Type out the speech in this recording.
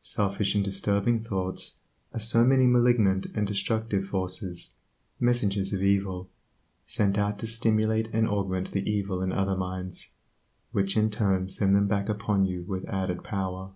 Selfish and disturbing thoughts are so many malignant and destructive forces, messengers of evil, sent out to stimulate and augment the evil in other minds, which in turn send them back upon you with added power.